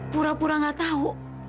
pura pura nggak tahu